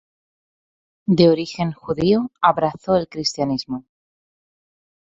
De origen judío, abrazó el cristianismo.